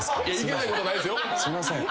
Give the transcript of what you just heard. すいません。